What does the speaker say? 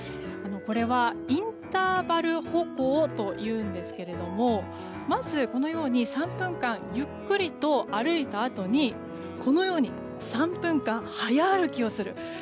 これはインターバル歩行というんですけれどもまず、３分間ゆっくりと歩いたあとにこのように３分間早歩きをする。